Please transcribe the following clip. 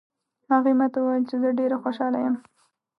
هغې ما ته وویل چې زه ډېره خوشحاله یم